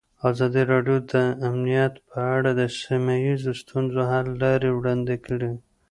ازادي راډیو د امنیت په اړه د سیمه ییزو ستونزو حل لارې راوړاندې کړې.